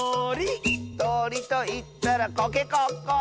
「とりといったらコケコッコー！」